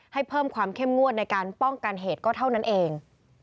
ให้เพิ่มความเข้มงวดในการป้องกันเหตุก็เท่านั้นเอง